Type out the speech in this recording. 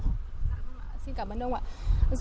dạ vâng ạ xin cảm ơn ông ạ